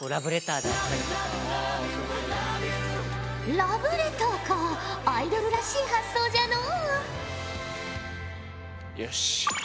ラブレターかアイドルらしい発想じゃのう。